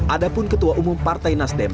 ada pun ketua umum partai nasdem surya prasad